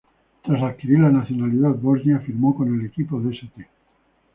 Tras adquirir la nacionalidad bosnia firmó con el equipo de St.